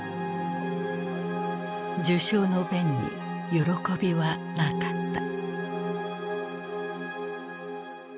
受賞の弁に喜びはなかった。